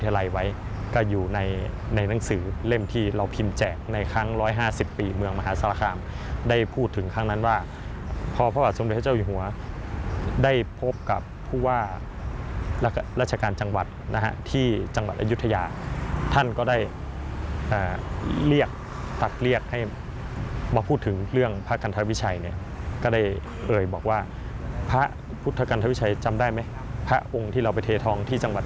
ไว้ก็อยู่ในในหนังสือเล่มที่เราพิมพ์แจกในครั้งร้อยห้าสิบปีเมืองมหาสารคามได้พูดถึงครั้งนั้นว่าพอพระบาทสมเด็จพระเจ้าอยู่หัวได้พบกับผู้ว่าราชการจังหวัดนะฮะที่จังหวัดอายุทยาท่านก็ได้เรียกตักเรียกให้มาพูดถึงเรื่องพระกันธวิชัยเนี่ยก็ได้เอ่ยบอกว่าพระพุทธกันทวิชัยจำได้ไหมพระองค์ที่เราไปเททองที่จังหวัด